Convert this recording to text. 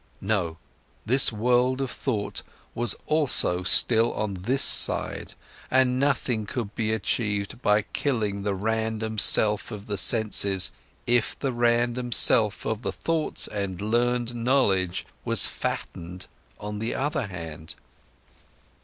No, this world of thought was also still on this side, and nothing could be achieved by killing the random self of the senses, if the random self of thoughts and learned knowledge was fattened on the other hand.